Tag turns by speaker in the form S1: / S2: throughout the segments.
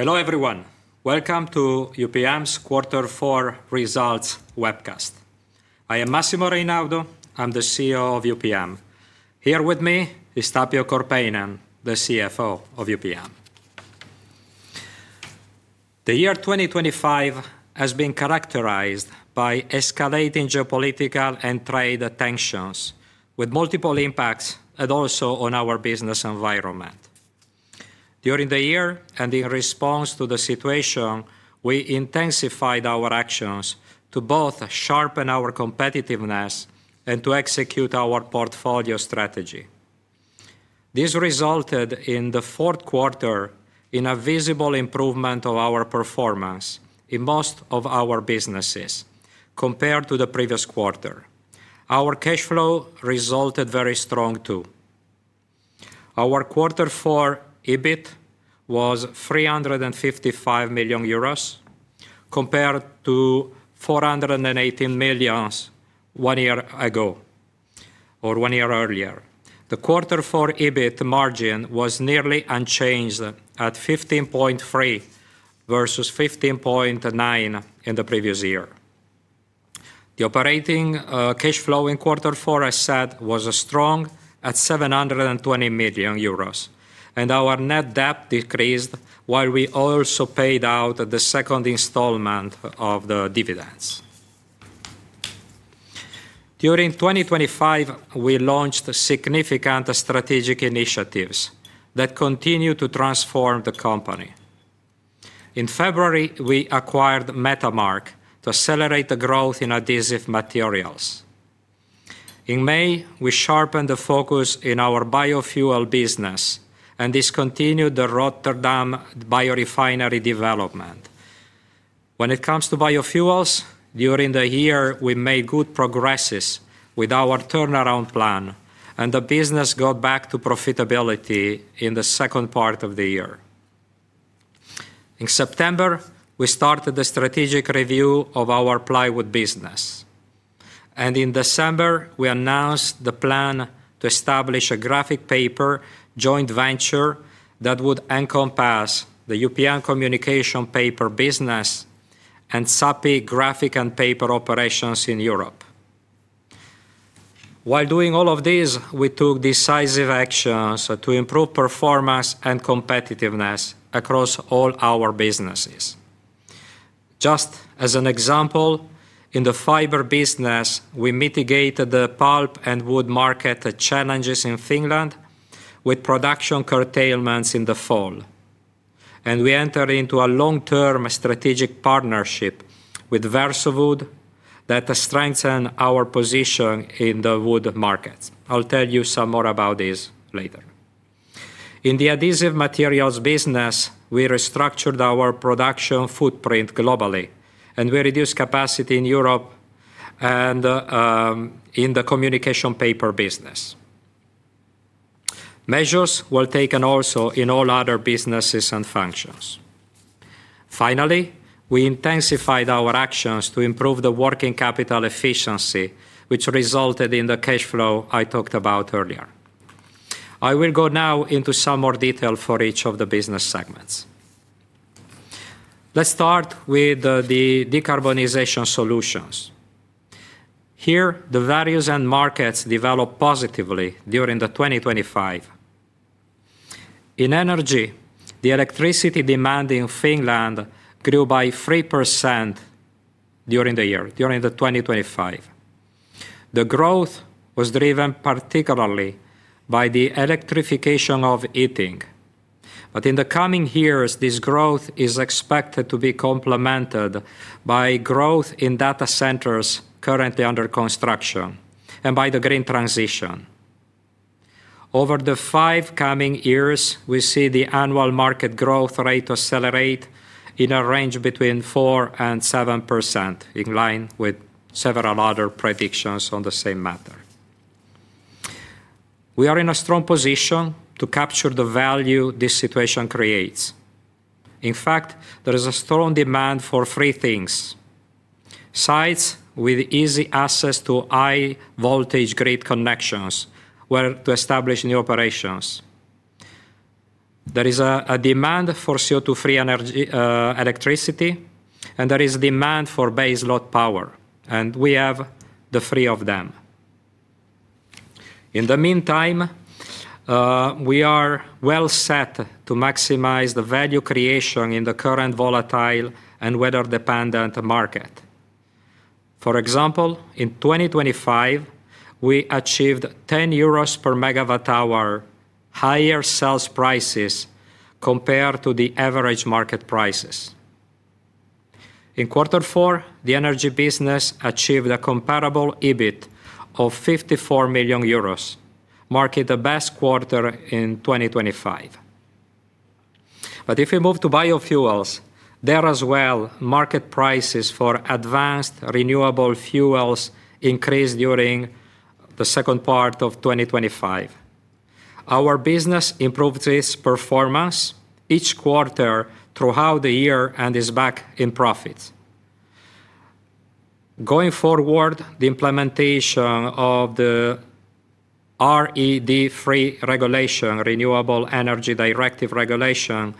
S1: Hello everyone, welcome to UPM's Quarter 4 Results webcast. I am Massimo Reynaudo, I'm the CEO of UPM. Here with me is Tapio Korpeinen, the CFO of UPM. The year 2025 has been characterized by escalating geopolitical and trade tensions, with multiple impacts and also on our business environment. During the year, in response to the situation, we intensified our actions to both sharpen our competitiveness and to execute our portfolio strategy. This resulted in the fourth quarter in a visible improvement of our performance in most of our businesses compared to the previous quarter. Our cash flow resulted very strong too. Our Quarter 4 EBIT was 355 million euros, compared to 418 million one year ago, or one year earlier. The Quarter 4 EBIT margin was nearly unchanged at 15.3% versus 15.9% in the previous year. The operating cash flow in Quarter 4, as said, was strong at 720 million euros, and our net debt decreased while we also paid out the second installment of the dividends. During 2025, we launched significant strategic initiatives that continue to transform the company. In February, we acquired Metamark to accelerate the growth in adhesive materials. In May, we sharpened the focus in our biofuel business and discontinued the Rotterdam biorefinery development. When it comes to biofuels, during the year we made good progress with our turnaround plan, and the business got back to profitability in the second part of the year. In September, we started the strategic review of our plywood business, and in December we announced the plan to establish a graphic paper joint venture that would encompass the UPM Communication Papers business and Sappi Graphic Papers operations in Europe. While doing all of these, we took decisive actions to improve performance and competitiveness across all our businesses. Just as an example, in the Fibres business we mitigated the pulp and wood market challenges in Finland with production curtailments in the fall, and we entered into a long-term strategic partnership with Versowood that strengthened our position in the wood markets. I'll tell you some more about this later. In the Adhesive Materials business, we restructured our production footprint globally, and we reduced capacity in Europe and in the Communication Paper business. Measures were taken also in all other businesses and functions. Finally, we intensified our actions to improve the working capital efficiency, which resulted in the cash flow I talked about earlier. I will go now into some more detail for each of the business segments. Let's start with the Decarbonisation Solutions. Here, the values and markets developed positively during 2025. In energy, the electricity demand in Finland grew by 3% during the year, during 2025. The growth was driven particularly by the electrification of heating. But in the coming years, this growth is expected to be complemented by growth in data centers currently under construction and by the green transition. Over the five coming years, we see the annual market growth rate accelerate in a range between 4%-7%, in line with several other predictions on the same matter. We are in a strong position to capture the value this situation creates. In fact, there is a strong demand for three things: sites with easy access to high-voltage grid connections where to establish new operations. There is a demand for CO2-free electricity, and there is demand for baseload power, and we have the three of them. In the meantime, we are well set to maximize the value creation in the current volatile and weather-dependent market. For example, in 2025, we achieved 10 euros per MWh higher sales prices compared to the average market prices. In Quarter 4, the energy business achieved a comparable EBIT of 54 million euros, marking the best quarter in 2025. But if we move to biofuels, there as well market prices for advanced renewable fuels increased during the second part of 2025. Our business improved its performance each quarter throughout the year and is back in profits. Going forward, the implementation of the RED III regulation, Renewable Energy Directive regulation,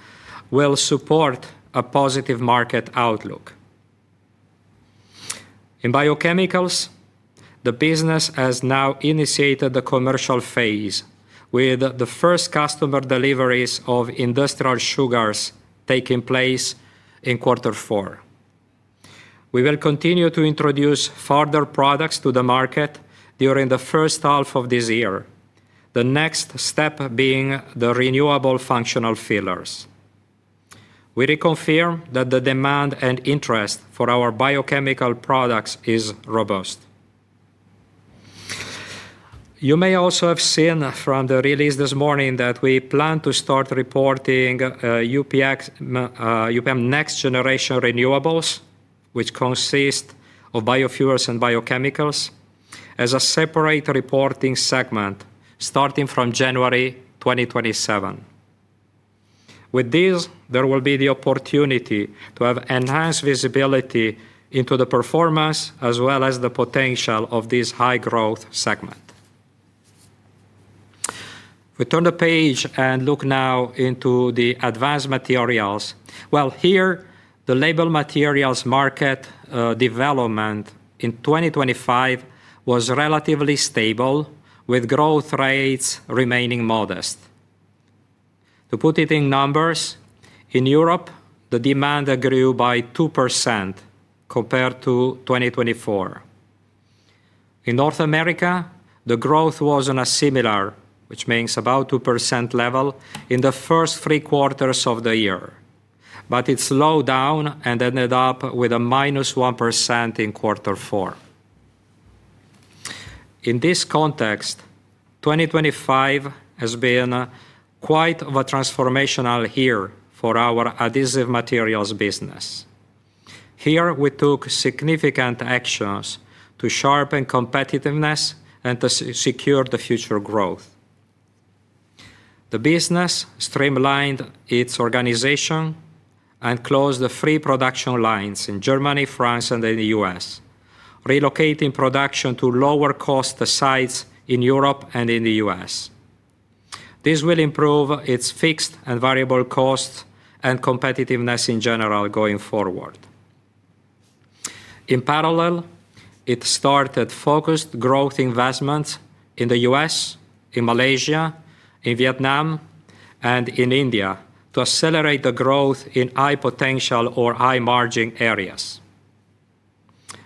S1: will support a positive market outlook. In biochemicals, the business has now initiated the commercial phase with the first customer deliveries of industrial sugars taking place in Quarter 4. We will continue to introduce further products to the market during the first half of this year, the next step being the Renewable Functional Fillers. We reconfirm that the demand and interest for our biochemical products is robust. You may also have seen from the release this morning that we plan to start reporting UPM Next Generation Renewables, which consist of biofuels and biochemicals, as a separate reporting segment starting from January 2027. With this, there will be the opportunity to have enhanced visibility into the performance as well as the potential of this high-growth segment. We turn the page and look now into the Advanced Materials. Well, here, the label materials market development in 2025 was relatively stable, with growth rates remaining modest. To put it in numbers, in Europe, the demand grew by 2% compared to 2024. In North America, the growth was on a similar, which means about 2% level, in the first three quarters of the year, but it slowed down and ended up with a -1% in Quarter 4. In this context, 2025 has been quite a transformational year for our adhesive materials business. Here, we took significant actions to sharpen competitiveness and to secure the future growth. The business streamlined its organization and closed the three production lines in Germany, France, and in the U.S., relocating production to lower-cost sites in Europe and in the U.S. This will improve its fixed and variable costs and competitiveness in general going forward. In parallel, it started focused growth investments in the U.S., in Malaysia, in Vietnam, and in India to accelerate the growth in high-potential or high-margin areas.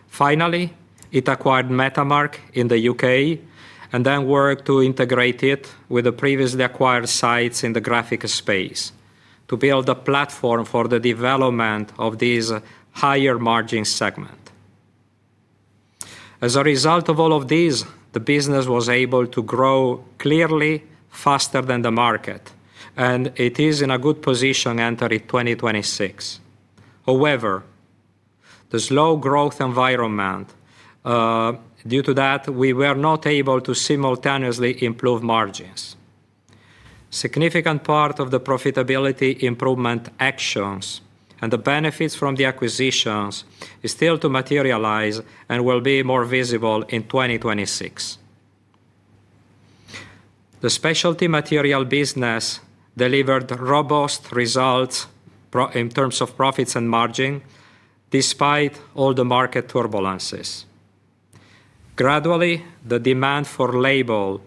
S1: Finally, it acquired Metamark in the UK and then worked to integrate it with the previously acquired sites in the graphic space to build a platform for the development of this higher-margin segment. As a result of all of these, the business was able to grow clearly faster than the market, and it is in a good position to enter it in 2026. However, the slow growth environment, due to that, we were not able to simultaneously improve margins. A significant part of the profitability improvement actions and the benefits from the acquisitions is still to materialize and will be more visible in 2026. The specialty material business delivered robust results in terms of profits and margin despite all the market turbulences. Gradually, the demand for label,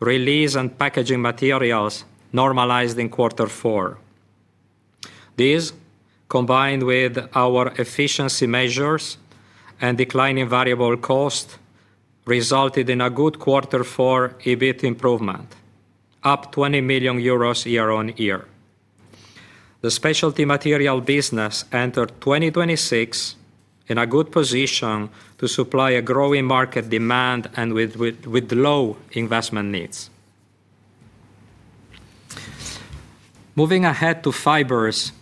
S1: release, and packaging materials normalized in Quarter 4. This, combined with our efficiency measures and declining variable costs, resulted in a good Quarter 4 EBIT improvement, up 20 million euros year-on-year. The specialty material business entered 2026 in a good position to supply a growing market demand and with low investment needs. Moving ahead to Fibres,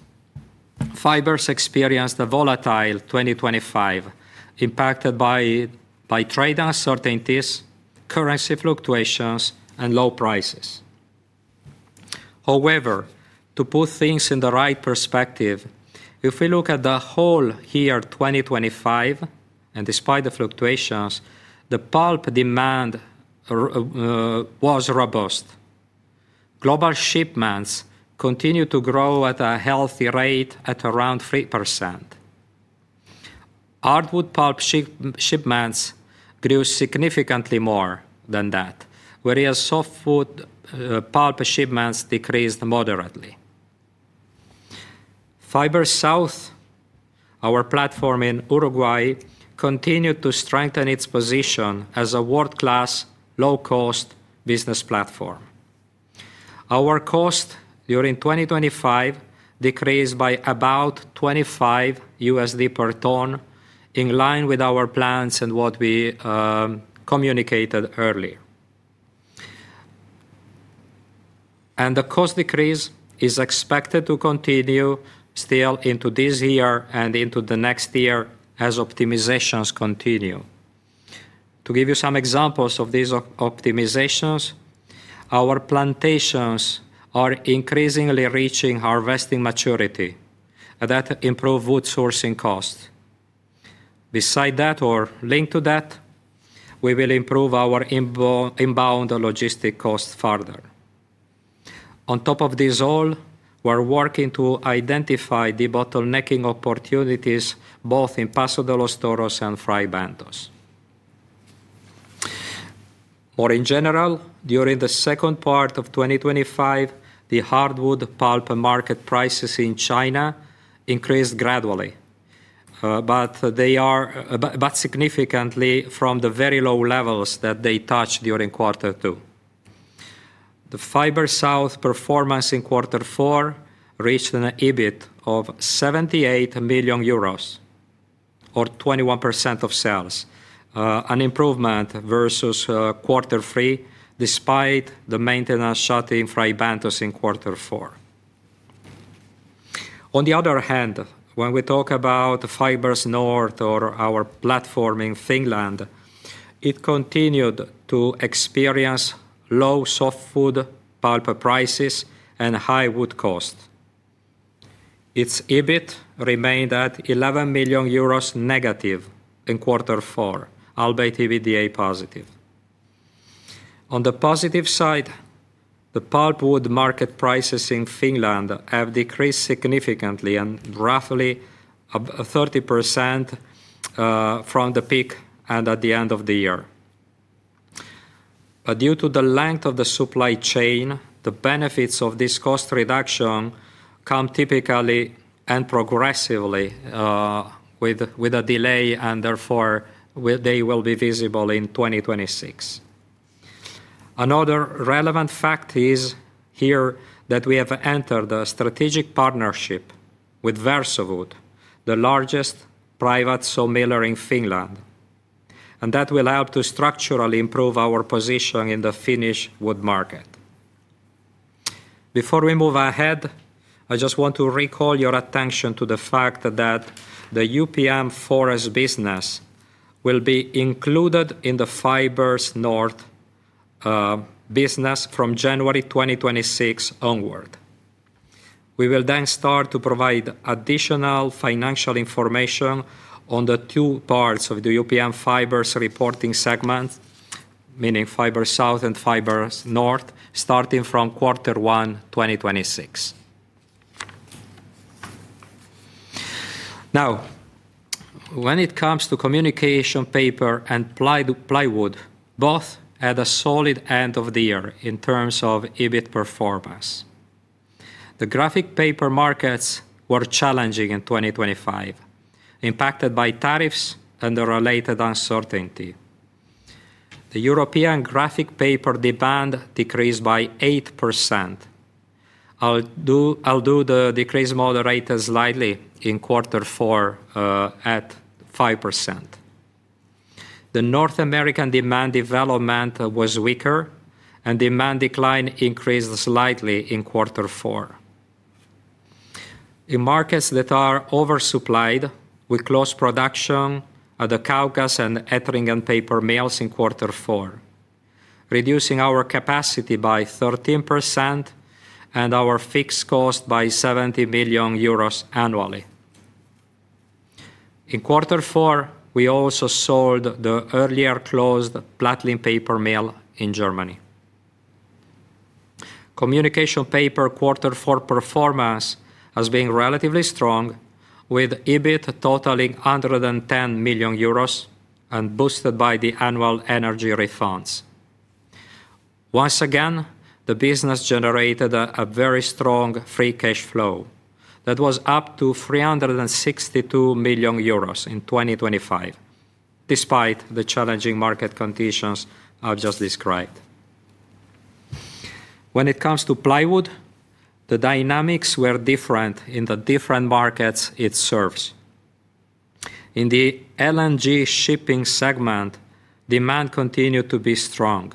S1: Fibres experienced a volatile 2025 impacted by trade uncertainties, currency fluctuations, and low prices. However, to put things in the right perspective, if we look at the whole year 2025, and despite the fluctuations, the pulp demand was robust. Global shipments continued to grow at a healthy rate at around 3%. Hardwood pulp shipments grew significantly more than that, whereas softwood pulp shipments decreased moderately. Fibres South, our platform in Uruguay, continued to strengthen its position as a world-class low-cost business platform. Our cost during 2025 decreased by about $25 per ton, in line with our plans and what we communicated earlier. The cost decrease is expected to continue still into this year and into the next year as optimizations continue. To give you some examples of these optimizations, our plantations are increasingly reaching harvesting maturity, and that improves wood sourcing costs. Besides that, or linked to that, we will improve our inbound logistic costs further. On top of this all, we're working to identify debottlenecking opportunities both in Paso de los Toros and Fray Bentos. More in general, during the second part of 2025, the hardwood pulp market prices in China increased gradually, but significantly from the very low levels that they touched during Quarter 2. The Fibers South performance in Quarter 4 reached an EBIT of 78 million euros, or 21% of sales, an improvement versus Quarter 3 despite the maintenance shut in Fray Bentos in Quarter 4. On the other hand, when we talk about Fibres North or our platform in Finland, it continued to experience low softwood pulp prices and high wood costs. Its EBIT remained at 11 million euros negative in Quarter 4, albeit EBITDA positive. On the positive side, the pulpwood market prices in Finland have decreased significantly and roughly 30% from the peak and at the end of the year. But due to the length of the supply chain, the benefits of this cost reduction come typically and progressively with a delay, and therefore they will be visible in 2026. Another relevant fact is here that we have entered a strategic partnership with Versowood, the largest private sawmiller in Finland, and that will help to structurally improve our position in the Finnish wood market. Before we move ahead, I just want to recall your attention to the fact that the UPM Forest business will be included in the Fibers North business from January 2026 onward. We will then start to provide additional financial information on the two parts of the UPM Fibres reporting segments, meaning Fibres South and Fibres North, starting from Quarter 1, 2026. Now, when it comes to Communication Paper and Plywood, both had a solid end of the year in terms of EBIT performance. The Graphic Paper markets were challenging in 2025, impacted by tariffs and the related uncertainty. The European Graphic Paper demand decreased by 8%. The decrease moderated slightly in Quarter 4 at 5%. The North American demand development was weaker, and demand decline increased slightly in Quarter 4. In markets that are oversupplied, we closed production at the Kaukas and Ettringen paper mills in Quarter 4, reducing our capacity by 13% and our fixed cost by 70 million euros annually. In Quarter 4, we also sold the earlier closed Plattling paper mill in Germany. Communication Papers Quarter 4 performance has been relatively strong, with EBIT totaling 110 million euros and boosted by the annual energy refunds. Once again, the business generated a very strong free cash flow that was up to 362 million euros in 2025, despite the challenging market conditions I've just described. When it comes to plywood, the dynamics were different in the different markets it serves. In the LNG shipping segment, demand continued to be strong.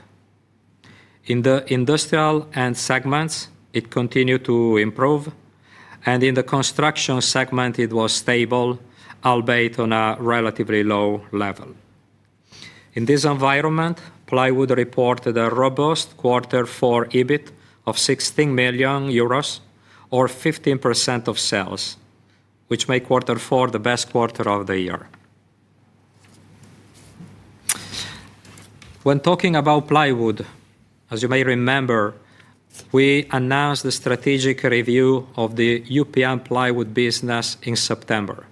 S1: In the industrial end segments, it continued to improve, and in the construction segment, it was stable, albeit on a relatively low level. In this environment, Plywood reported a robust Quarter 4 EBIT of 16 million euros, or 15% of sales, which made Quarter 4 the best quarter of the year. When talking about Plywood, as you may remember, we announced the strategic review of the UPM Plywood business in September.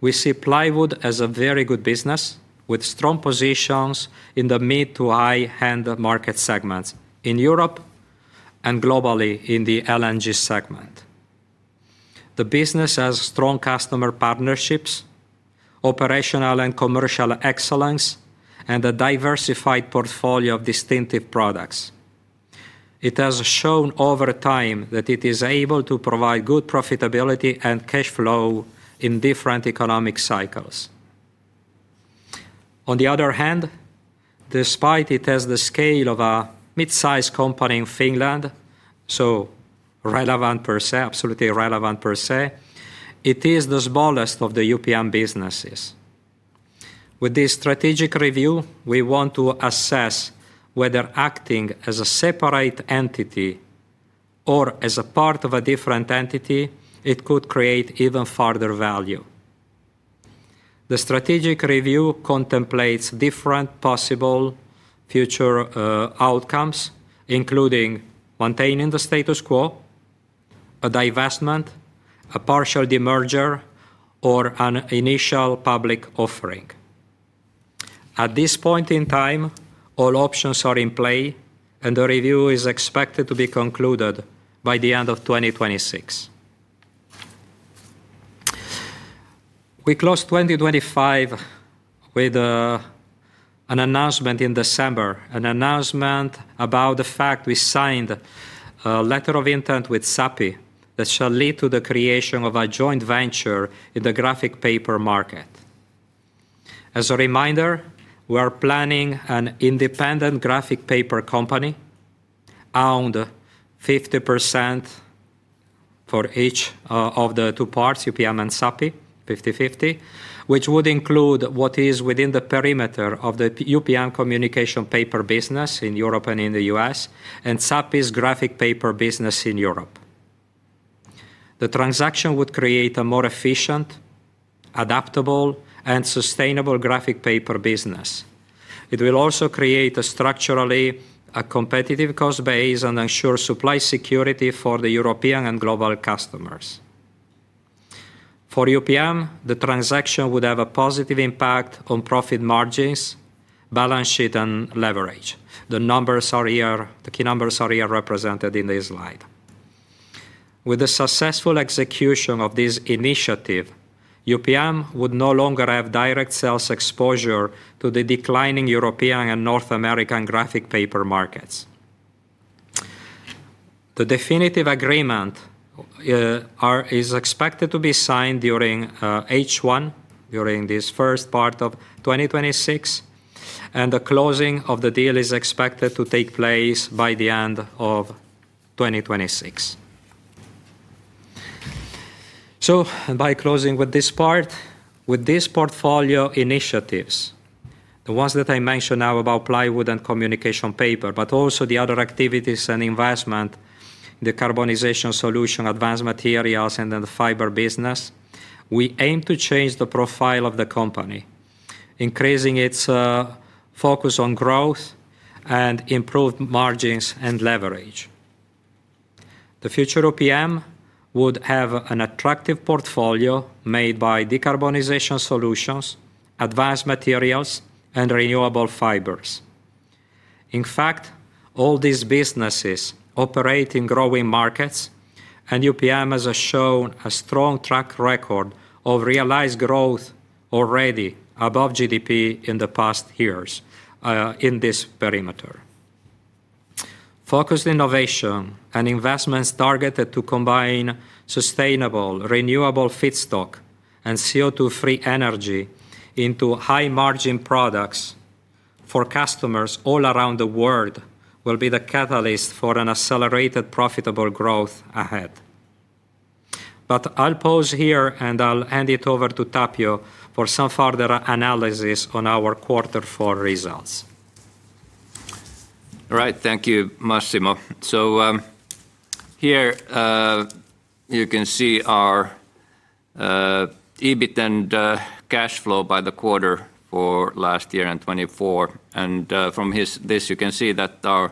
S1: We see Plywood as a very good business with strong positions in the mid to high-end market segments in Europe and globally in the LNG segment. The business has strong customer partnerships, operational and commercial excellence, and a diversified portfolio of distinctive products. It has shown over time that it is able to provide good profitability and cash flow in different economic cycles. On the other hand, despite it has the scale of a midsize company in Finland, so relevant per se, absolutely relevant per se, it is the smallest of the UPM businesses. With this strategic review, we want to assess whether acting as a separate entity or as a part of a different entity, it could create even further value. The strategic review contemplates different possible future outcomes, including maintaining the status quo, a divestment, a partial demerger, or an initial public offering. At this point in time, all options are in play, and the review is expected to be concluded by the end of 2026. We closed 2025 with an announcement in December, an announcement about the fact we signed a letter of intent with Sappi that shall lead to the creation of a joint venture in the graphic paper market. As a reminder, we are planning an independent graphic paper company owned 50% for each of the two parts, UPM and Sappi, 50/50, which would include what is within the perimeter of the UPM Communication Papers business in Europe and in the U.S., and Sappi Graphic Papers business in Europe. The transaction would create a more efficient, adaptable, and sustainable graphic paper business. It will also create a structurally competitive cost base and ensure supply security for the European and global customers. For UPM, the transaction would have a positive impact on profit margins, balance sheet, and leverage. The numbers are here. The key numbers are here represented in this slide. With the successful execution of this initiative, UPM would no longer have direct sales exposure to the declining European and North American graphic paper markets. The definitive agreement is expected to be signed during H1, during this first part of 2026, and the closing of the deal is expected to take place by the end of 2026. So, by closing with this part, with these portfolio initiatives, the ones that I mentioned now about plywood and communication paper, but also the other activities and investment in the decarbonization solution, Advanced Materials, and then the fiber business, we aim to change the profile of the company, increasing its focus on growth and improved margins and leverage. The future UPM would have an attractive portfolio made by Decarbonization Solutions, Advanced Materials, and Renewable Fibres. In fact, all these businesses operate in growing markets, and UPM has shown a strong track record of realized growth already above GDP in the past years in this perimeter. Focused innovation and investments targeted to combine sustainable, renewable feedstock and CO2-free energy into high-margin products for customers all around the world will be the catalyst for an accelerated profitable growth ahead. But I'll pause here, and I'll hand it over to Tapio for some further analysis on our Quarter 4 results.
S2: All right. Thank you, Massimo. So here you can see our EBIT and cash flow by the quarter for last year and 2024. And from this, you can see that our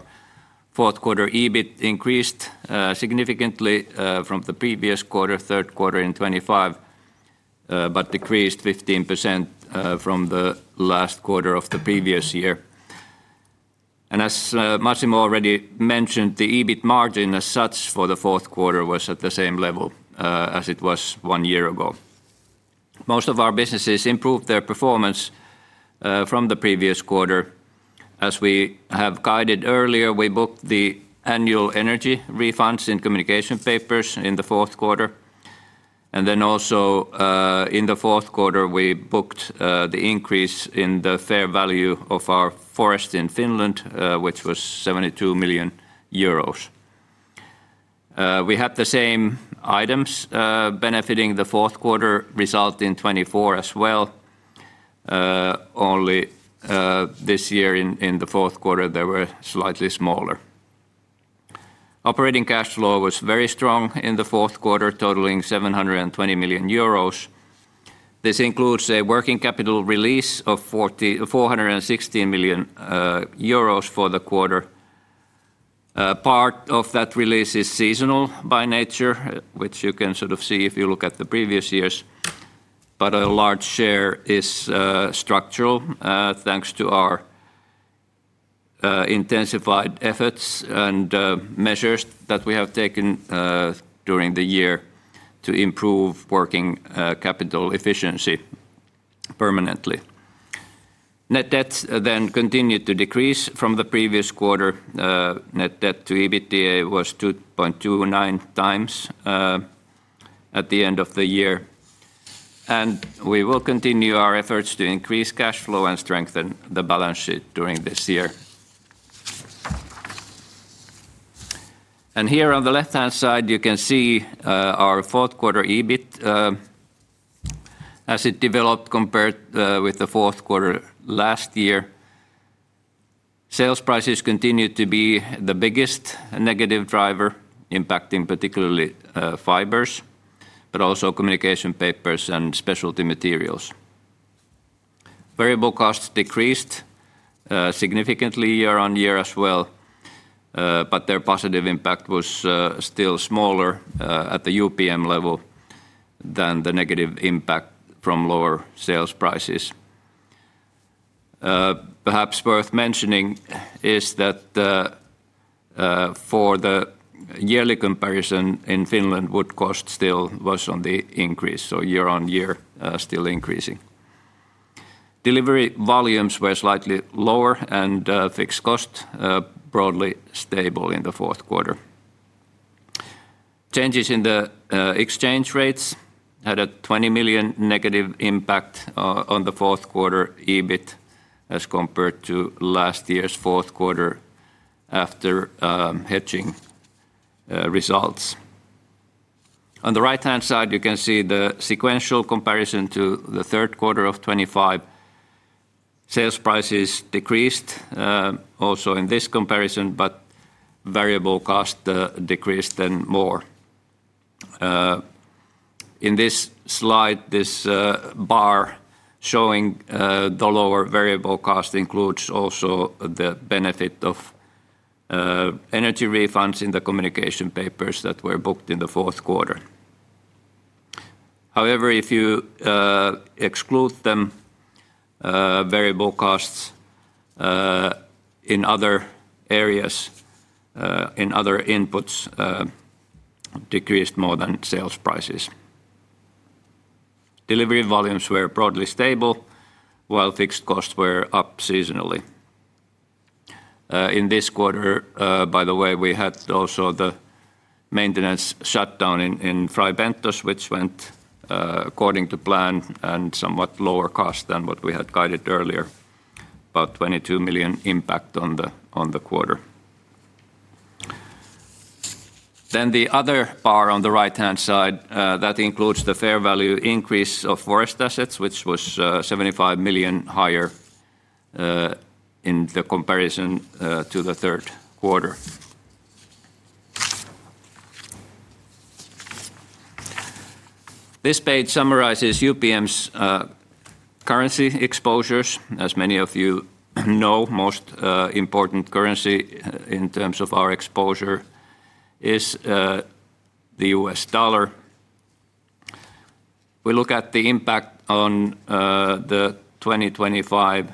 S2: fourth quarter EBIT increased significantly from the previous quarter, third quarter in 2025, but decreased 15% from the last quarter of the previous year. And as Massimo already mentioned, the EBIT margin as such for the fourth quarter was at the same level as it was one year ago. Most of our businesses improved their performance from the previous quarter. As we have guided earlier, we booked the annual energy refunds in communication papers in the fourth quarter. And then also in the fourth quarter, we booked the increase in the fair value of our forest in Finland, which was 72 million euros. We had the same items benefiting the fourth quarter result in 2024 as well. Only this year in the fourth quarter, they were slightly smaller. Operating cash flow was very strong in the fourth quarter, totaling 720 million euros. This includes a working capital release of 416 million euros for the quarter. Part of that release is seasonal by nature, which you can sort of see if you look at the previous years. But a large share is structural thanks to our intensified efforts and measures that we have taken during the year to improve working capital efficiency permanently. Net debt then continued to decrease from the previous quarter. Net debt to EBITDA was 2.29 times at the end of the year. We will continue our efforts to increase cash flow and strengthen the balance sheet during this year. Here on the left-hand side, you can see our fourth quarter EBIT as it developed compared with the fourth quarter last year. Sales prices continue to be the biggest negative driver impacting particularly fibers, but also communication papers and specialty materials. Variable costs decreased significantly year-on-year as well, but their positive impact was still smaller at the UPM level than the negative impact from lower sales prices. Perhaps worth mentioning is that for the yearly comparison, in Finland, wood cost still was on the increase, so year-on-year still increasing. Delivery volumes were slightly lower and fixed costs broadly stable in the fourth quarter. Changes in the exchange rates had a 20 million negative impact on the fourth quarter EBIT as compared to last year's fourth quarter after hedging results. On the right-hand side, you can see the sequential comparison to the third quarter of 2025. Sales prices decreased also in this comparison, but variable costs decreased and more. In this slide, this bar showing the lower variable cost includes also the benefit of energy refunds in the Communication Papers that were booked in the fourth quarter. However, if you exclude them, variable costs in other areas, in other inputs, decreased more than sales prices. Delivery volumes were broadly stable, while fixed costs were up seasonally. In this quarter, by the way, we had also the maintenance shutdown in Fray Bentos, which went according to plan and somewhat lower cost than what we had guided earlier, about 22 million impact on the quarter. The other bar on the right-hand side, that includes the fair value increase of forest assets, which was 75 million higher in the comparison to the third quarter. This page summarizes UPM's currency exposures. As many of you know, the most important currency in terms of our exposure is the US dollar. We look at the impact on the 2025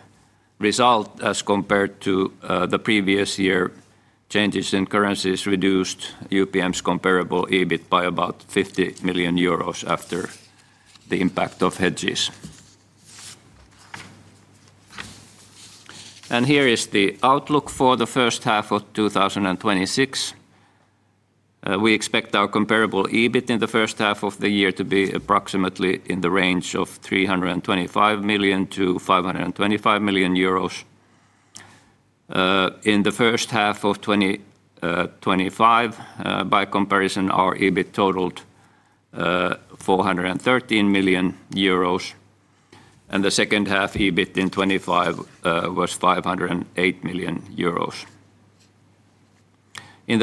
S2: result as compared to the previous year. Changes in currencies reduced UPM's comparable EBIT by about 50 million euros after the impact of hedges. Here is the outlook for the first half of 2026. We expect our comparable EBIT in the first half of the year to be approximately in the range of 325 million-525 million euros. In the first half of 2025, by comparison, our EBIT totaled 413 million euros. The second half EBIT in 2025 was 508 million euros. In the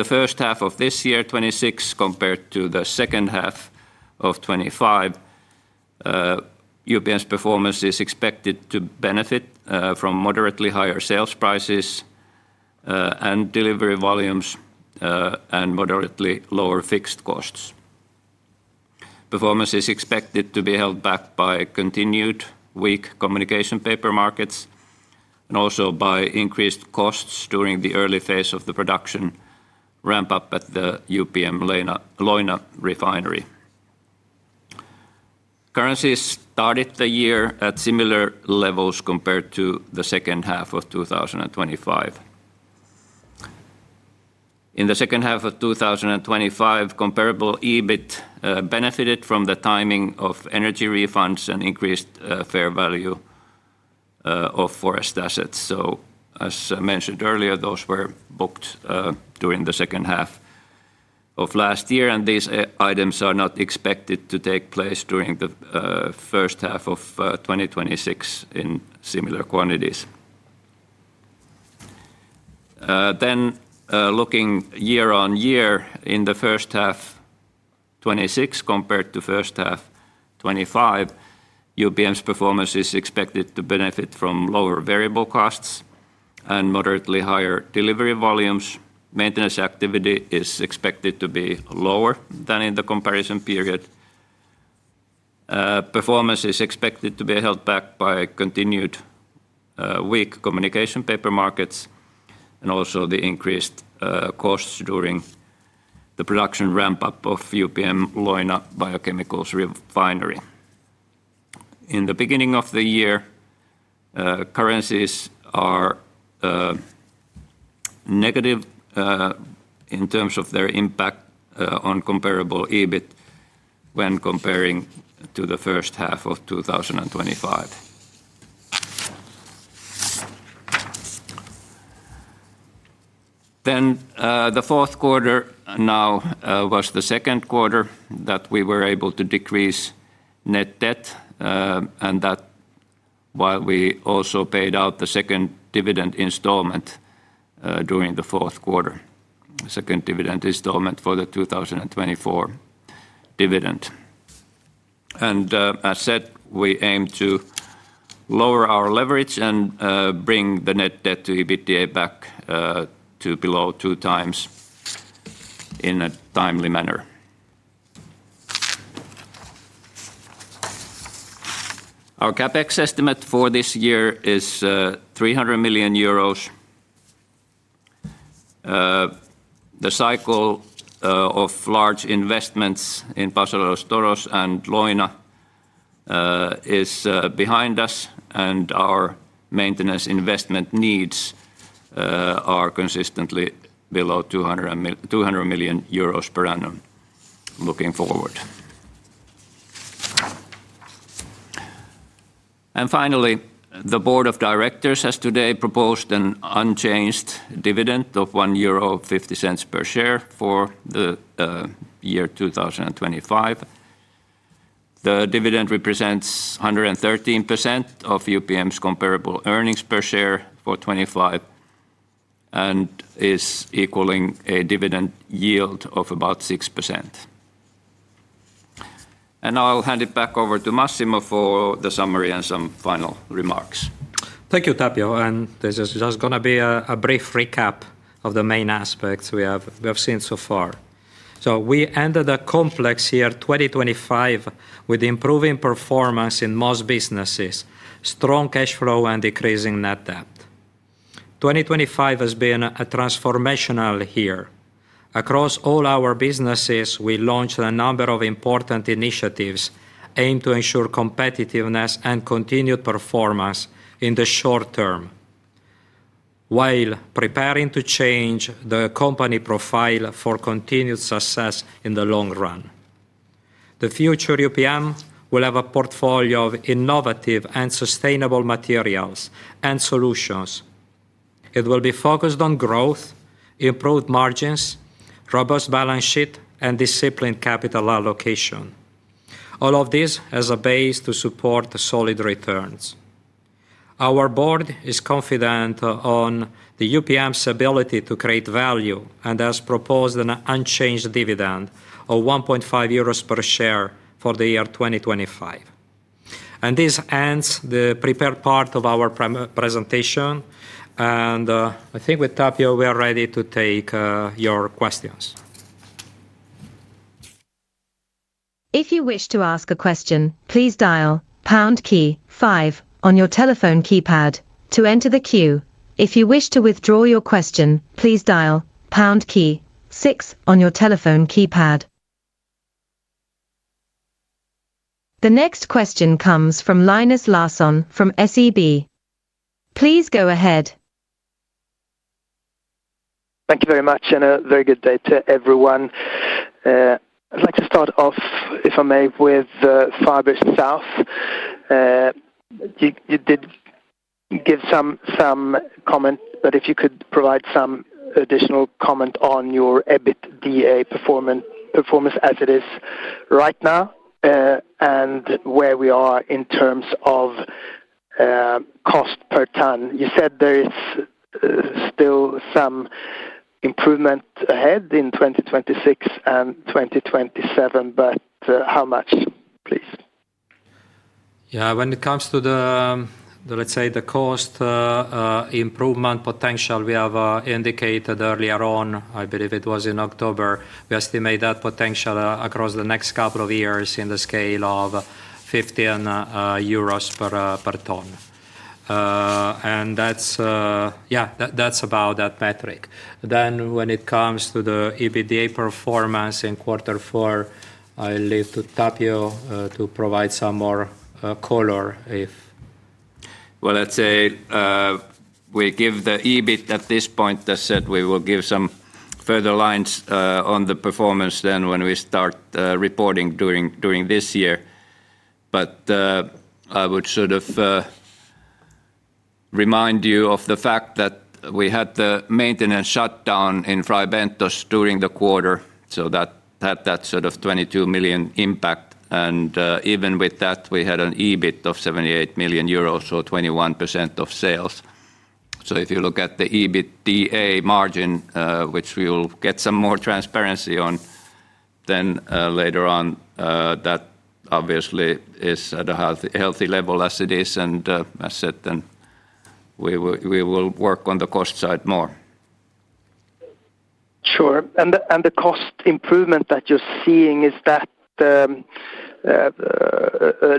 S2: first half of this year, 2026, compared to the second half of 2025, UPM's performance is expected to benefit from moderately higher sales prices and delivery volumes and moderately lower fixed costs. Performance is expected to be held back by continued weak communication paper markets and also by increased costs during the early phase of the production ramp-up at the UPM Leuna refinery. Currencies started the year at similar levels compared to the second half of 2025. In the second half of 2025, comparable EBIT benefited from the timing of energy refunds and increased fair value of forest assets. So, as mentioned earlier, those were booked during the second half of last year, and these items are not expected to take place during the first half of 2026 in similar quantities. Then, looking year-on-year, in the first half of 2026 compared to first half of 2025, UPM's performance is expected to benefit from lower variable costs and moderately higher delivery volumes. Maintenance activity is expected to be lower than in the comparison period. Performance is expected to be held back by continued weak Communication Paper markets and also the increased costs during the production ramp-up of UPM Leuna Biochemicals refinery. In the beginning of the year, currencies are negative in terms of their impact on comparable EBIT when comparing to the first half of 2025. Then, the fourth quarter now was the second quarter that we were able to decrease net debt, and that while we also paid out the second dividend installment during the fourth quarter, the second dividend installment for the 2024 dividend. And as said, we aim to lower our leverage and bring the net debt to EBITDA back to below 2x in a timely manner. Our CapEx estimate for this year is 300 million euros. The cycle of large investments in Paso de los Toros and Leuna is behind us, and our maintenance investment needs are consistently below 200 million euros per annum looking forward. And finally, the board of directors has today proposed an unchanged dividend of 1.50 euro per share for the year 2025. The dividend represents 113% of UPM's comparable earnings per share for 2025 and is equaling a dividend yield of about 6%. And I'll hand it back over to Massimo for the summary and some final remarks.
S1: Thank you, Tapio. This is just going to be a brief recap of the main aspects we have seen so far. We ended a complex year 2025 with improving performance in most businesses, strong cash flow, and decreasing net debt. 2025 has been a transformational year. Across all our businesses, we launched a number of important initiatives aimed to ensure competitiveness and continued performance in the short term while preparing to change the company profile for continued success in the long run. The future UPM will have a portfolio of innovative and sustainable materials and solutions. It will be focused on growth, improved margins, robust balance sheet, and disciplined capital allocation. All of this as a base to support solid returns. Our board is confident in the UPM's ability to create value and has proposed an unchanged dividend of 1.5 euros per share for the year 2025. This ends the prepared part of our presentation. I think with Tapio, we are ready to take your questions.
S3: If you wish to ask a question, please dial pound key 5 on your telephone keypad to enter the queue. If you wish to withdraw your question, please dial pound key 6 on your telephone keypad. The next question comes from Linus Larsson from SEB. Please go ahead.
S4: Thank you very much and a very good day to everyone. I'd like to start off, if I may, with Fibers South. You did give some comment, but if you could provide some additional comment on your EBITDA performance as it is right now and where we are in terms of cost per ton? You said there is still some improvement ahead in 2026 and 2027, but how much, please?
S1: Yeah, when it comes to the, let's say, the cost improvement potential we have indicated earlier on, I believe it was in October, we estimate that potential across the next couple of years in the scale of 15 euros per ton. And that's, yeah, that's about that metric. Then when it comes to the EBITDA performance in quarter four, I'll leave to Tapio to provide some more color if.
S2: Well, let's say we give the EBIT at this point, as said, we will give some further lines on the performance then when we start reporting during this year. But I would sort of remind you of the fact that we had the maintenance shutdown in Fray Bentos during the quarter, so that had that sort of 22 million impact. And even with that, we had an EBIT of 78 million euros, so 21% of sales. So if you look at the EBITDA margin, which we will get some more transparency on then later on, that obviously is at a healthy level as it is. And as said, then we will work on the cost side more.
S4: Sure. And the cost improvement that you're seeing, is that a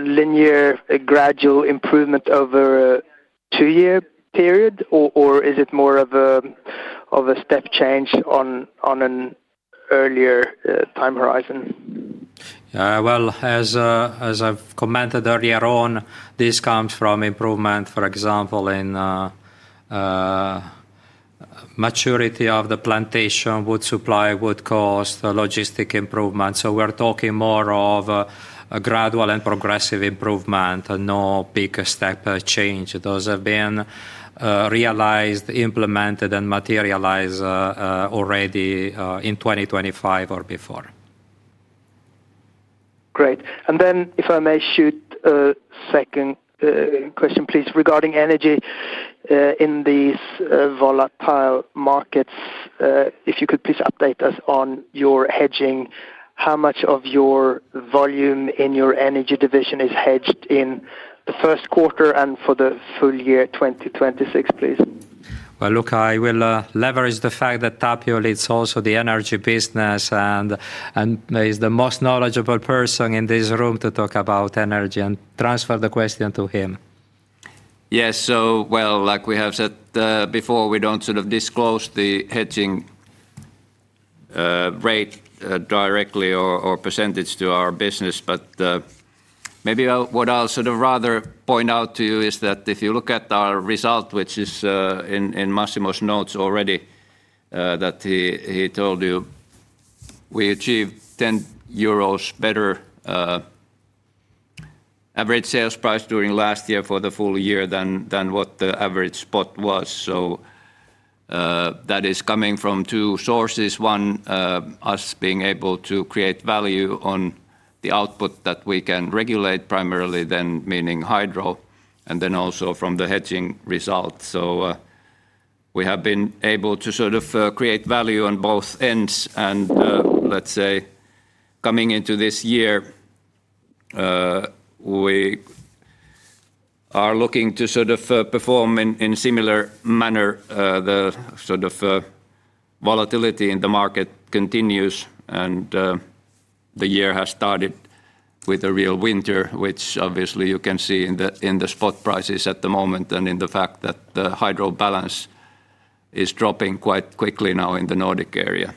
S4: linear, gradual improvement over a two-year period, or is it more of a step change on an earlier time horizon?
S1: Yeah, well, as I've commented earlier on, this comes from improvement, for example, in maturity of the plantation, wood supply, wood cost, logistic improvement. So we're talking more of a gradual and progressive improvement, no big step change. Those have been realized, implemented, and materialized already in 2025 or before.
S4: Great. And then, if I may, shoot, second question, please, regarding energy in these volatile markets, if you could please update us on your hedging, how much of your volume in your energy division is hedged in the first quarter and for the full year 2026, please?
S1: Well, look, I will leverage the fact that Tapio leads also the energy business and is the most knowledgeable person in this room to talk about energy and transfer the question to him.
S2: Yes, so, well, like we have said before, we don't sort of disclose the hedging rate directly or percentage to our business. But maybe what I'll sort of rather point out to you is that if you look at our result, which is in Massimo's notes already, that he told you we achieved 10 euros better average sales price during last year for the full year than what the average spot was. So that is coming from two sources, one, us being able to create value on the output that we can regulate primarily, then meaning hydro, and then also from the hedging result. So we have been able to sort of create value on both ends. And let's say, coming into this year, we are looking to sort of perform in similar manner. The sort of volatility in the market continues, and the year has started with a real winter, which obviously you can see in the spot prices at the moment and in the fact that the hydro balance is dropping quite quickly now in the Nordic area.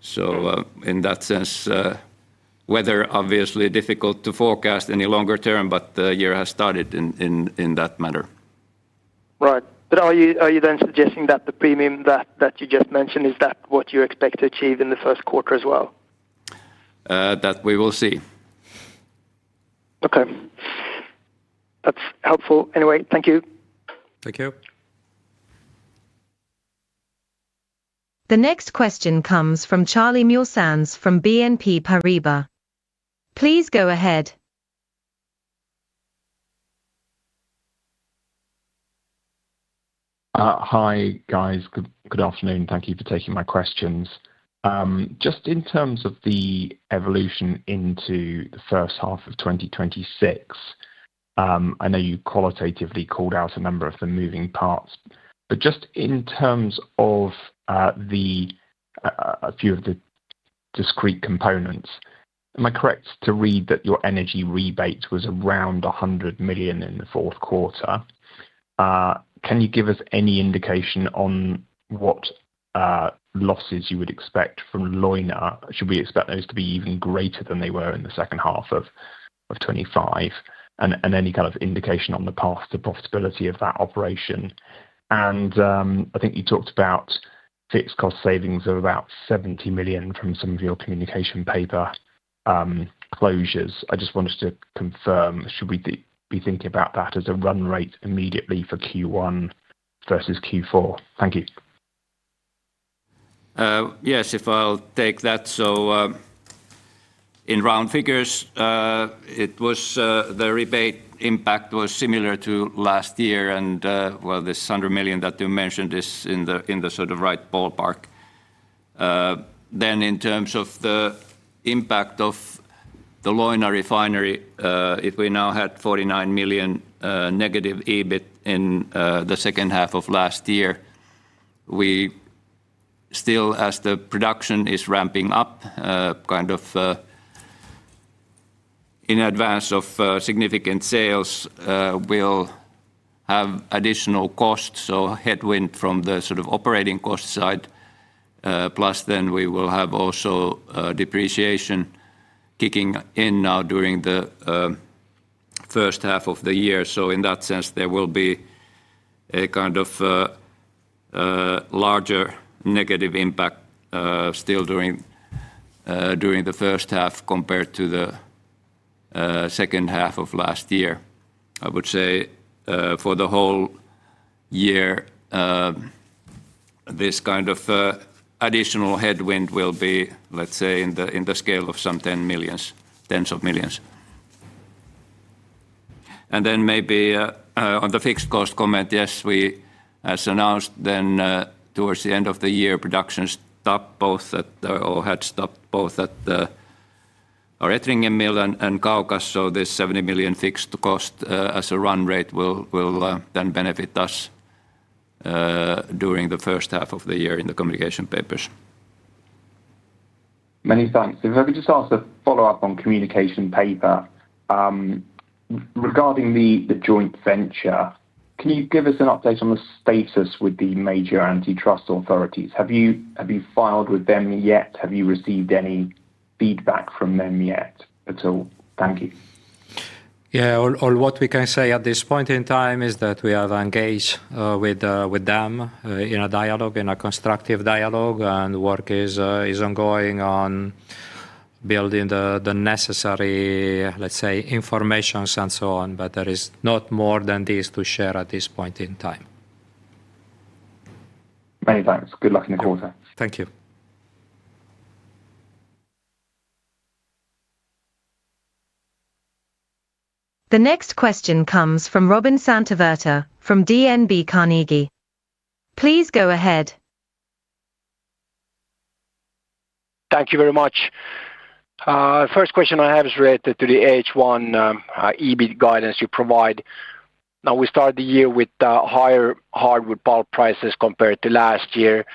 S2: So in that sense, weather obviously difficult to forecast any longer term, but the year has started in that manner.
S4: Right. But are you then suggesting that the premium that you just mentioned, is that what you expect to achieve in the first quarter as well?
S2: That we will see.
S4: Okay. That's helpful anyway. Thank you.
S1: Thank you.
S3: The next question comes from Charlie Muress from BNP Paribas. Please go ahead.
S5: Hi guys. Good afternoon. Thank you for taking my questions. Just in terms of the evolution into the first half of 2026, I know you qualitatively called out a number of the moving parts, but just in terms of a few of the discrete components, am I correct to read that your energy rebate was around 100 million in the fourth quarter? Can you give us any indication on what losses you would expect from Leuna? Should we expect those to be even greater than they were in the second half of 2025, and any kind of indication on the path to profitability of that operation? And I think you talked about fixed cost savings of about 70 million from some of your communication paper closures. I just wanted to confirm, should we be thinking about that as a run rate immediately for Q1 versus Q4? Thank you.
S2: Yes, if I'll take that. So in round figures, the rebate impact was similar to last year, and, well, this 100 million that you mentioned is in the sort of right ballpark. Then in terms of the impact of the Leuna refinery, if we now had 49 million negative EBIT in the second half of last year, we still, as the production is ramping up kind of in advance of significant sales, will have additional costs, so headwind from the sort of operating cost side. Plus, then we will have also depreciation kicking in now during the first half of the year. So in that sense, there will be a kind of larger negative impact still during the first half compared to the second half of last year. I would say for the whole year, this kind of additional headwind will be, let's say, in the scale of some tens of millions. Then maybe on the fixed cost comment, yes, we as announced, then towards the end of the year, production stopped both at or had stopped both at Ettringen mill and Kaukas, so this 70 million fixed cost as a run rate will then benefit us during the first half of the year in the Communication Papers.
S5: Many thanks. If I could just ask a follow-up on Communication Paper. Regarding the joint venture, can you give us an update on the status with the major antitrust authorities? Have you filed with them yet? Have you received any feedback from them yet at all? Thank you.
S1: Yeah, all what we can say at this point in time is that we have engaged with them in a dialogue, in a constructive dialogue, and work is ongoing on building the necessary, let's say, information's and so on. But there is not more than this to share at this point in time.
S4: Many thanks. Good luck in the quarter.
S1: Thank you.
S3: The next question comes from Robin Santavirta from Carnegie. Please go ahead.
S6: Thank you very much. First question I have is related to the H1 EBIT guidance you provide. Now, we started the year with higher hardwood bulk prices compared to last year,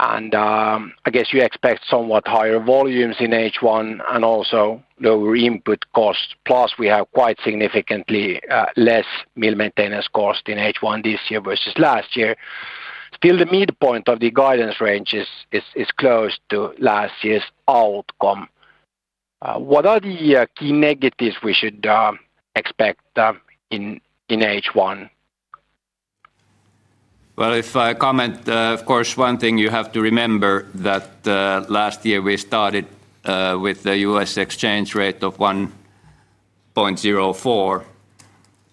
S6: and I guess you expect somewhat higher volumes in H1 and also lower input cost. Plus, we have quite significantly less mill maintenance cost in H1 this year versus last year. Still, the midpoint of the guidance range is close to last year's outcome. What are the key negatives we should expect in H1?
S2: Well, if I comment, of course, one thing you have to remember that last year we started with the U.S. exchange rate of 1.04,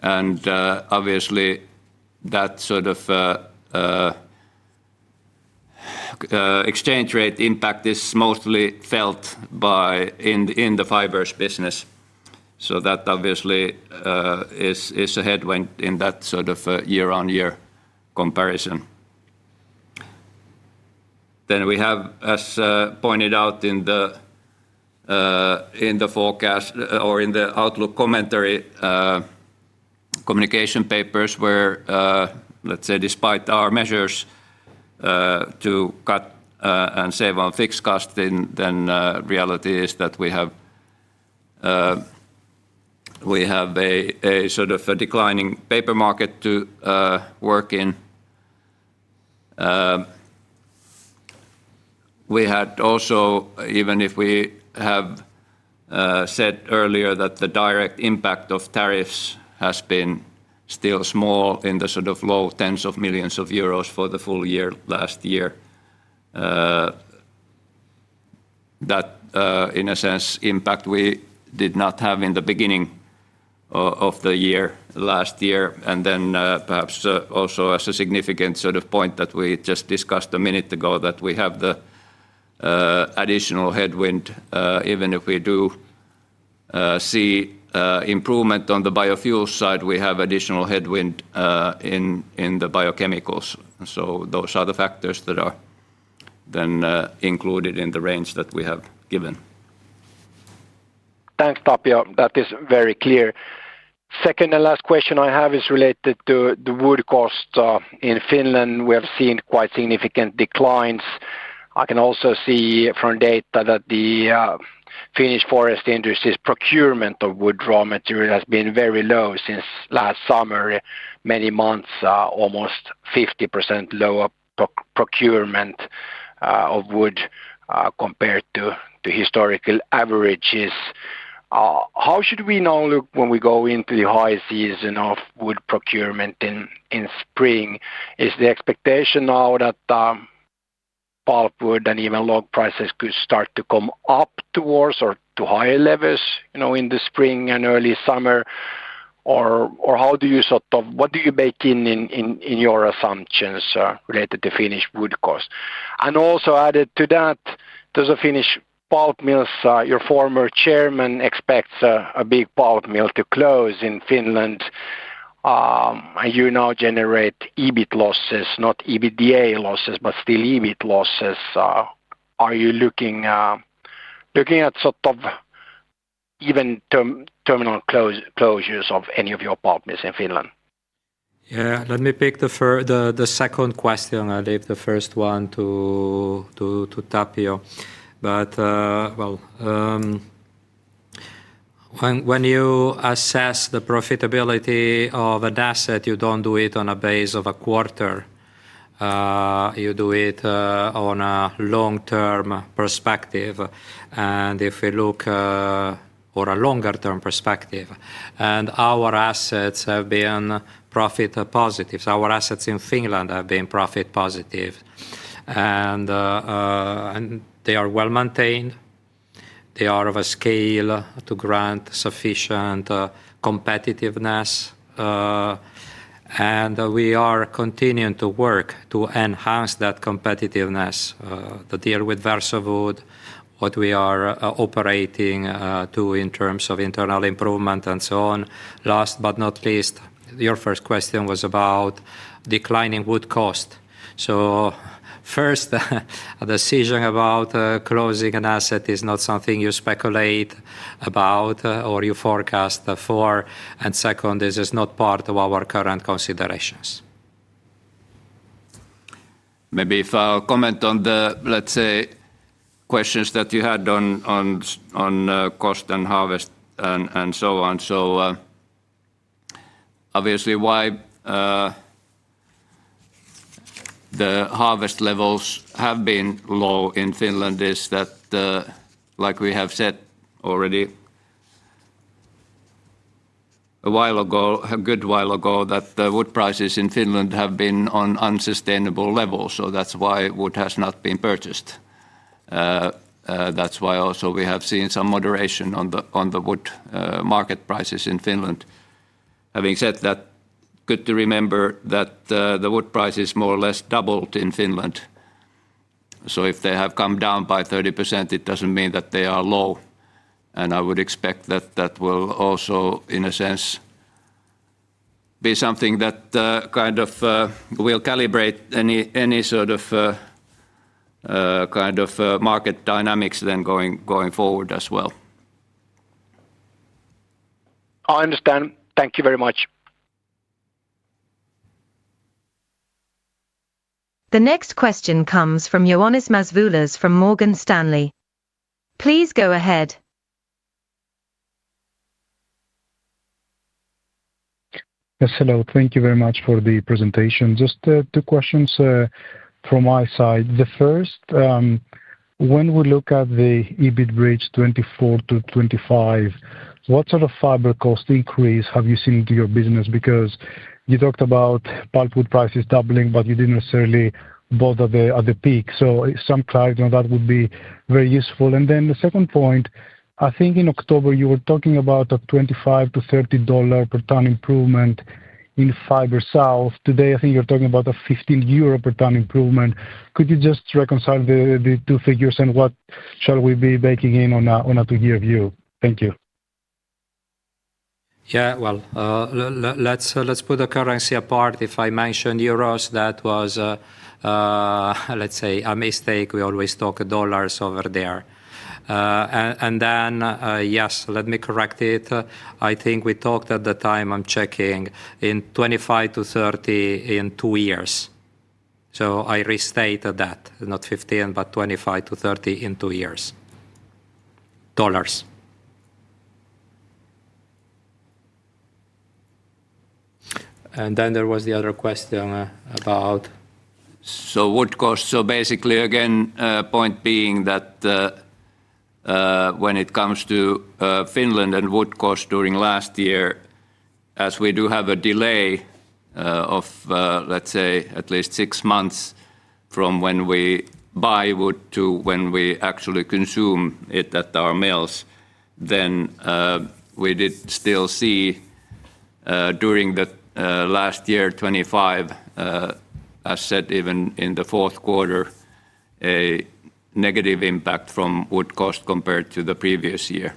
S2: and obviously that sort of exchange rate impact is mostly felt in the fiber business. So that obviously is a headwind in that sort of year-on-year comparison. Then we have, as pointed out in the forecast or in the outlook commentary Communication Papers, where, let's say, despite our measures to cut and save on fixed costs, then reality is that we have a sort of declining paper market to work in. We had also, even if we have said earlier that the direct impact of tariffs has been still small in the sort of low tens of millions of EUR for the full year last year, that, in a sense, impact we did not have in the beginning of the year last year. Then perhaps also as a significant sort of point that we just discussed a minute ago, that we have the additional headwind. Even if we do see improvement on the biofuel side, we have additional headwind in the biochemicals. Those are the factors that are then included in the range that we have given.
S4: Thanks, Tapio. That is very clear. Second and last question I have is related to the wood cost in Finland. We have seen quite significant declines. I can also see from data that the Finnish forest industry's procurement of wood raw material has been very low since last summer, many months, almost 50% lower procurement of wood compared to historical averages. How should we now look when we go into the high season of wood procurement in spring? Is the expectation now that bulk wood and even log prices could start to come up towards or to higher levels in the spring and early summer, or how do you sort of what do you bake in in your assumptions related to Finnish wood cost? And also added to that, those are Finnish pulp mills. Your former chairman expects a big pulp mill to close in Finland. You now generate EBIT losses, not EBITDA losses, but still EBIT losses. Are you looking at sort of even terminal closures of any of your pulp mills in Finland?
S1: Yeah, let me pick the second question. I leave the first one to Tapio. But, well, when you assess the profitability of an asset, you don't do it on a basis of a quarter. You do it on a long-term perspective. And if we look at a longer-term perspective, and our assets have been profit positive, so our assets in Finland have been profit positive, and they are well maintained. They are of a scale to grant sufficient competitiveness. And we are continuing to work to enhance that competitiveness, the deal with Versowood, what we are operating to in terms of internal improvement and so on. Last but not least, your first question was about declining wood cost. So first, a decision about closing an asset is not something you speculate about or you forecast for. And second, this is not part of our current considerations.
S2: Maybe if I comment on the, let's say, questions that you had on cost and harvest and so on. So obviously, why the harvest levels have been low in Finland is that, like we have said already a while ago, a good while ago, that the wood prices in Finland have been on unsustainable levels. So that's why wood has not been purchased. That's why also we have seen some moderation on the wood market prices in Finland. Having said that, good to remember that the wood price is more or less doubled in Finland. So if they have come down by 30%, it doesn't mean that they are low. And I would expect that that will also, in a sense, be something that kind of will calibrate any sort of kind of market dynamics then going forward as well.
S4: I understand. Thank you very much.
S3: The next question comes from Joonas Mäsvyläs from Morgan Stanley. Please go ahead.
S7: Yes, hello. Thank you very much for the presentation. Just two questions from my side. The first, when we look at the EBIT bridge 2024 to 2025, what sort of fiber cost increase have you seen in your business? Because you talked about pulp wood prices doubling, but you didn't necessarily bother at the peak. So some clarity on that would be very useful. And then the second point, I think in October, you were talking about a $25-$30 per tonne improvement in Fibers South. Today, I think you're talking about a €15 per tonne improvement. Could you just reconcile the two figures and what shall we be baking in on a two-year view? Thank you.
S1: Yeah, well, let's put the currency apart. If I mentioned euros, that was, let's say, a mistake. We always talk dollars over there. And then, yes, let me correct it. I think we talked at the time, I'm checking, $25-$30 in two years. So I restate that, not 15, but $25-$30 in two years, dollars. And then there was the other question about.
S2: So wood cost, so basically, again, point being that when it comes to Finland and wood cost during last year, as we do have a delay of, let's say, at least six months from when we buy wood to when we actually consume it at our mills, then we did still see during the last year, 2025, as said, even in the fourth quarter, a negative impact from wood cost compared to the previous year.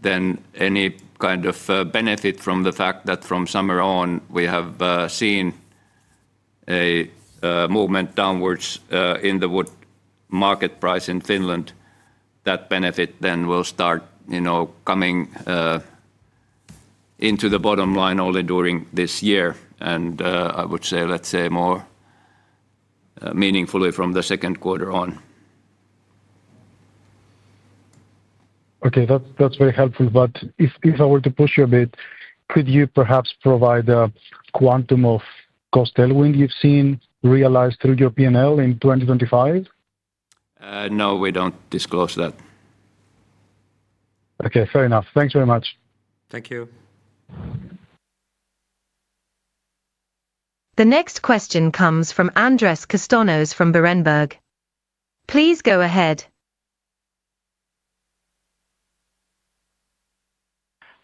S2: Then any kind of benefit from the fact that from summer on we have seen a movement downwards in the wood market price in Finland, that benefit then will start coming into the bottom line only during this year. And I would say, let's say, more meaningfully from the second quarter on.
S4: Okay, that's very helpful. But if I were to push you a bit, could you perhaps provide a quantum of cost headwind you've seen realized through your P&L in 2025?
S2: No, we don't disclose that.
S4: Okay, fair enough. Thanks very much.
S1: Thank you.
S3: The next question comes from Andrés Castanos from Berenberg. Please go ahead.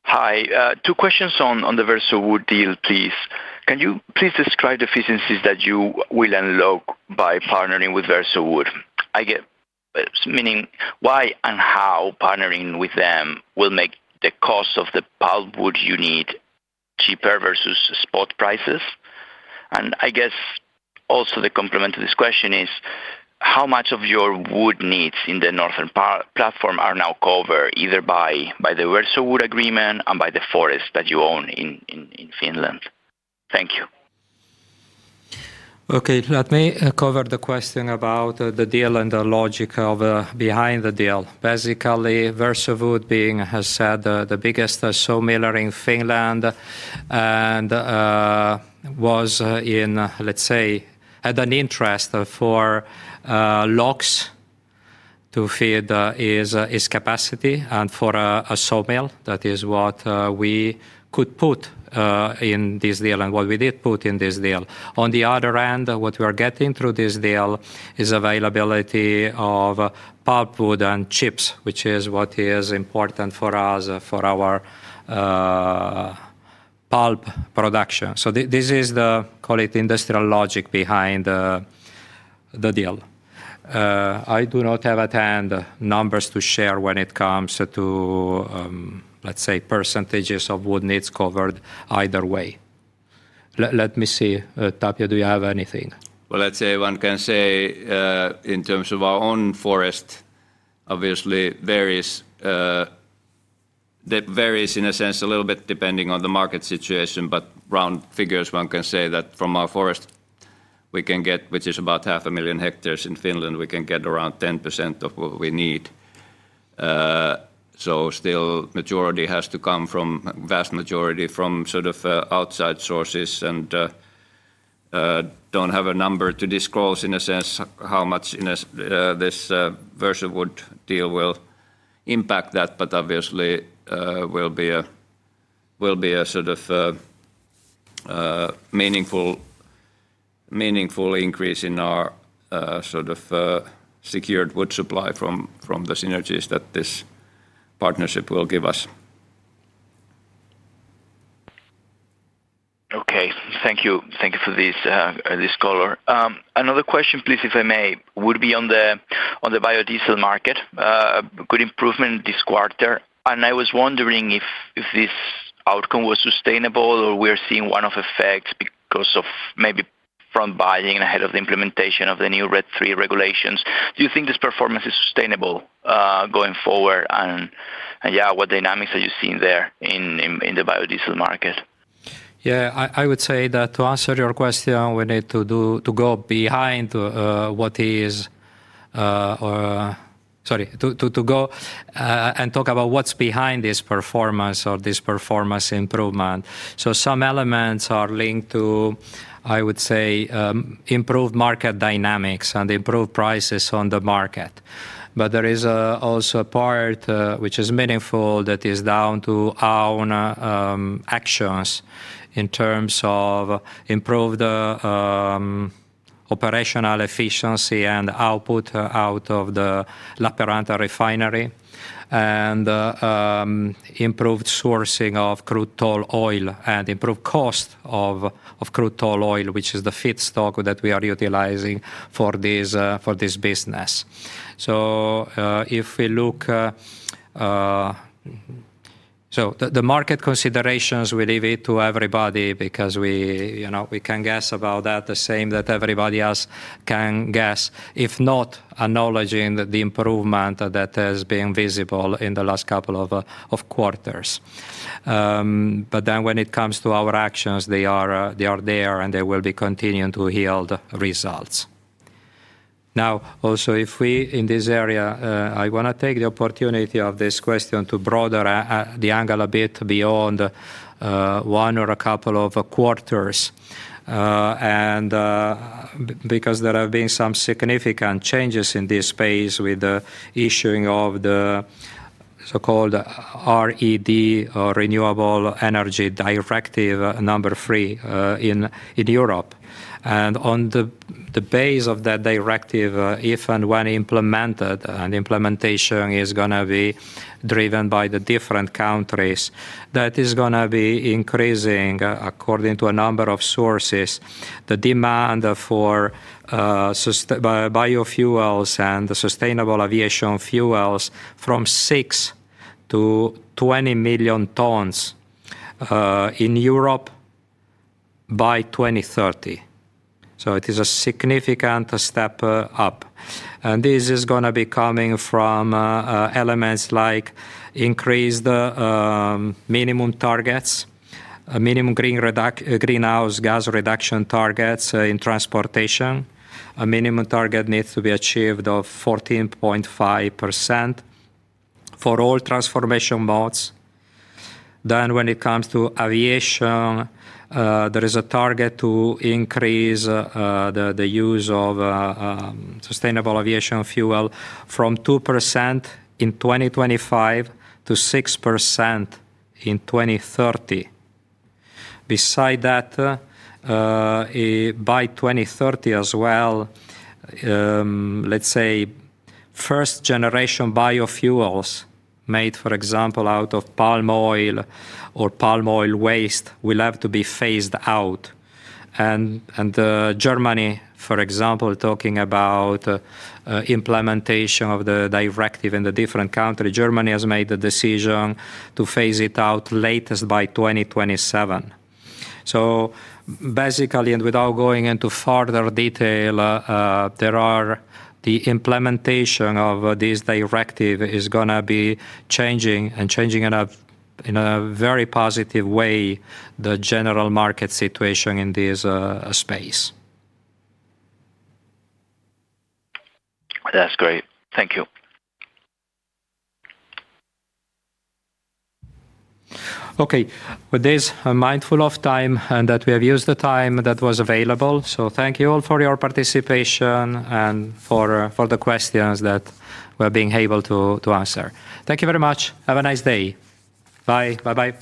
S8: Hi. Two questions on the Versowood deal, please. Can you please describe the efficiencies that you will unlock by partnering with Versowood? I get meaning why and how partnering with them will make the cost of the pulp wood you need cheaper versus spot prices. And I guess also the complement to this question is how much of your wood needs in the northern platform are now covered either by the Versowood agreement and by the forest that you own in Finland? Thank you.
S1: Okay, let me cover the question about the deal and the logic behind the deal. Basically, Versowood being, as said, the biggest sawmiller in Finland and was in, let's say, had an interest for logs to feed its capacity and for a sawmill. That is what we could put in this deal and what we did put in this deal. On the other hand, what we are getting through this deal is availability of pulp wood and chips, which is what is important for us for our pulp production. So this is the, call it, industrial logic behind the deal. I do not have at hand numbers to share when it comes to, let's say, percentages of wood needs covered either way. Let me see, Tapio, do you have anything?
S2: Well, let's say one can say in terms of our own forest, obviously varies. It varies in a sense a little bit depending on the market situation, but round figures one can say that from our forest we can get, which is about 500,000 hectares in Finland, we can get around 10% of what we need. So still, majority has to come from, vast majority, from sort of outside sources and don't have a number to disclose in a sense how much this Versowood deal will impact that, but obviously will be a sort of meaningful increase in our sort of secured wood supply from the synergies that this partnership will give us.
S4: Okay, thank you. Thank you for this, Scholar. Another question, please, if I may, would be on the biodiesel market. Good improvement this quarter. And I was wondering if this outcome was sustainable or we are seeing one-off effects because of maybe front buying ahead of the implementation of the new RED III regulations. Do you think this performance is sustainable going forward? And yeah, what dynamics are you seeing there in the biodiesel market?
S1: Yeah, I would say that to answer your question, we need to go behind what is or sorry, to go and talk about what's behind this performance or this performance improvement. So some elements are linked to, I would say, improved market dynamics and improved prices on the market. But there is also a part which is meaningful that is down to our own actions in terms of improved operational efficiency and output out of the Lappeenranta refinery and improved sourcing of crude tall oil and improved cost of crude tall oil, which is the feedstock that we are utilizing for this business. So if we look so the market considerations, we leave it to everybody because we can guess about that the same that everybody else can guess, if not acknowledging the improvement that has been visible in the last couple of quarters. But then when it comes to our actions, they are there and they will be continuing to yield results. Now, also, if we in this area, I want to take the opportunity of this question to broaden the angle a bit beyond one or a couple of quarters because there have been some significant changes in this space with the issuing of the so-called RED III, Renewable Energy Directive number three in Europe. And on the basis of that directive, if and when implemented and implementation is going to be driven by the different countries, that is going to be increasing, according to a number of sources, the demand for biofuels and sustainable aviation fuels from 6 to 20 million tons in Europe by 2030. So it is a significant step up. This is going to be coming from elements like increased minimum targets, minimum greenhouse gas reduction targets in transportation. A minimum target needs to be achieved of 14.5% for all transportation modes. When it comes to aviation, there is a target to increase the use of sustainable aviation fuel from 2% in 2025 to 6% in 2030. Besides that, by 2030 as well, let's say first-generation biofuels made, for example, out of palm oil or palm oil waste will have to be phased out. Germany, for example, talking about implementation of the directive in the different countries, Germany has made the decision to phase it out latest by 2027. Basically, and without going into further detail, there are the implementation of this directive is going to be changing and changing in a very positive way the general market situation in this space.
S4: That's great. Thank you.
S1: Okay, with this mindful of time and that we have used the time that was available, so thank you all for your participation and for the questions that we're being able to answer. Thank you very much. Have a nice day. Bye. Bye-bye.